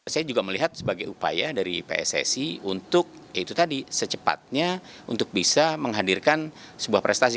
saya juga melihat sebagai upaya dari pssi untuk itu tadi secepatnya untuk bisa menghadirkan sebuah prestasi